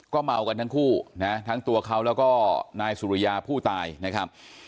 เมากันทั้งคู่นะทั้งตัวเขาแล้วก็นายสุริยาผู้ตายนะครับ